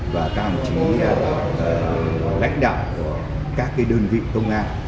và các đồng chí lãnh đạo các đơn vị công an